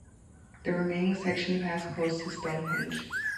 The remaining section passed close to Stonehenge.